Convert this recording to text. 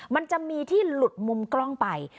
มันจะมีที่หลุดมุมกล้องไป